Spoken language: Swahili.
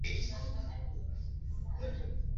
mwaka elfu moja mia nane sabini na nne